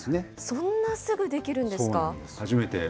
そんなすぐできるんですか。